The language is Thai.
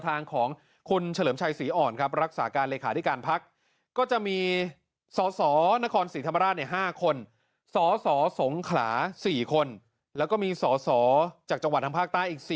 ภักษ์ยังไม่เคยมอบใครไปเจรจาเรื่องการจัดตั้งรัฐบาล